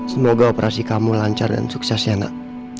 semoga operasi kamu lancar dan sukses ya nak